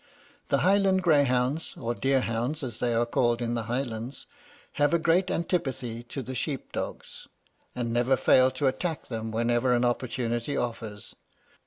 "The Highland greyhounds, or deer hounds as they are called in the Highlands, have a great antipathy to the sheep dogs, and never fail to attack them whenever an opportunity offers.